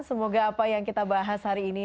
semoga apa yang kita bahas hari ini